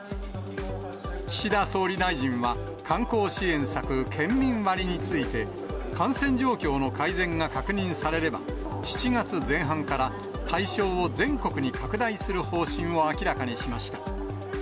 岸田総理大臣は、観光支援策、県民割について、感染状況の改善が確認されれば、７月前半から対象を全国に拡大する方針を明らかにしました。